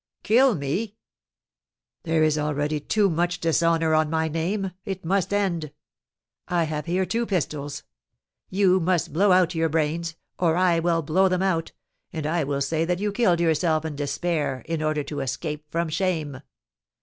"Kill me?" "There is already too much dishonour on my name, it must end. I have here two pistols; you must blow out your brains, or I will blow them out, and I will say that you killed yourself in despair in order to escape from shame."